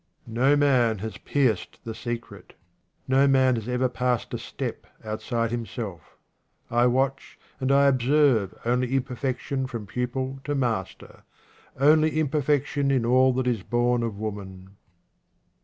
No man has pierced the secret. No man has ever passed a step outside himself. I watch and I observe only imperfection from pupil 16 QUATRAINS OF OMAR KHAYYAM to master — only imperfection in all that is born of woman.